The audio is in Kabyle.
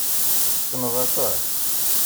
Tessneḍ aṭas.